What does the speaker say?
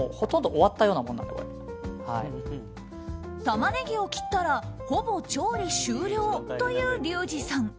タマネギを切ったらほぼ調理終了というリュウジさん。